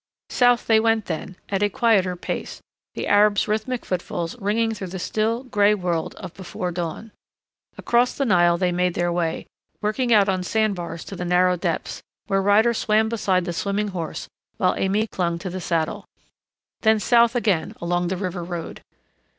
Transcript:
South they went then, at a quieter pace, the Arab's rhythmic footfalls ringing through the still, gray world of before dawn. Across the Nile they made their way, working out on sandbars to the narrow depths, where Ryder swam beside the swimming horse while Aimée clung to the saddle. Then south again along the river road.